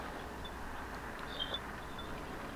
两座配楼与旗杆均与胶海关大楼同期建设。